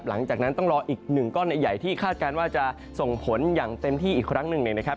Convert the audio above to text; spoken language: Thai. หลังจากนั้นต้องรออีกหนึ่งก้อนใหญ่ที่คาดการณ์ว่าจะส่งผลอย่างเต็มที่อีกครั้งหนึ่งเนี่ยนะครับ